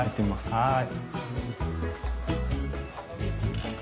はい。